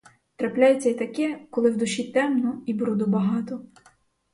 Трапляється й таке, коли в душі темно і бруду багато.